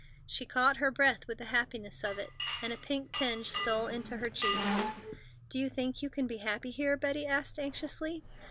She caught her breath with the happiness of it, and a pink tinge stole into her cheeks. "Do you think you can be happy here?" Betty asked anxiously.